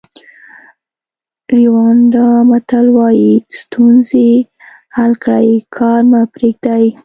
ریوانډا متل وایي ستونزې حل کړئ کار مه پریږدئ.